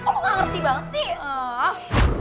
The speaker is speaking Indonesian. aku gak ngerti banget sih